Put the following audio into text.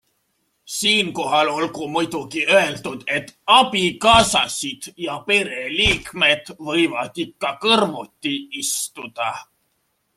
Siinkohal olgu muidugi öeldud, et abikaasasid ja pereliikmed võivad ikka kõrvuti istuda.